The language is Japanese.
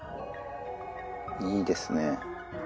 いいですね。